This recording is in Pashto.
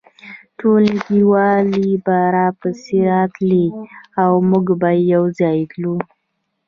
ټولګیوالې به راپسې راتلې او موږ به یو ځای تلو